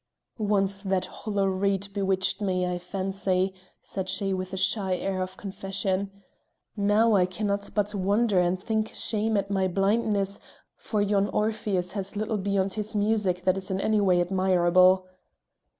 "Once that hollow reed bewitched me, I fancy," said she with a shy air of confession; "now I cannot but wonder and think shame at my blindness, for yon Orpheus has little beyond his music that is in any way admirable."